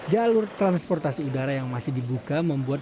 jalur transportasi udara yang masih dibuka membuat